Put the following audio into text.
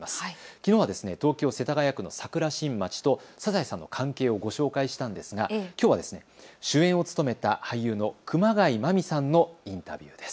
きのうは東京世田谷区の桜新町とサザエさんの関係をご紹介したんですがきょうは主演を務めた俳優の熊谷真実さんのインタビューです。